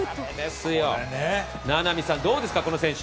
名波さん、どうですかこの選手。